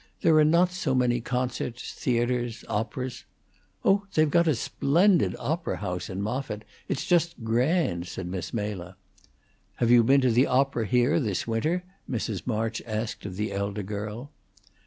There are not so many concerts, theatres, operas " "Oh, they've got a splendid opera house in Moffitt. It's just grand," said Miss Mela. "Have you been to the opera here, this winter?" Mrs. March asked of the elder girl.